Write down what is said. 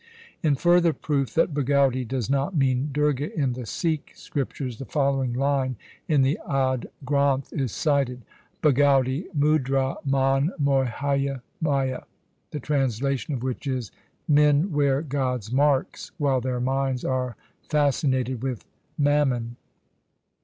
In further proof that Bhagauti does not mean Durga in the Sikh scriptures the following line in the Ad Granth is cited — Bhagauti mudra man mohiya maya, the translation of which is — Men wear God's marks while their minds are fascinated with mammon.